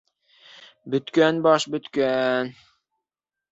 Бөткән баш бөткән!